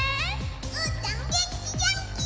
うーたんげんきげんき！